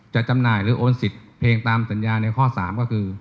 จำหน่ายหรือโอนสิทธิ์เพลงตามสัญญาในข้อ๓ก็คือ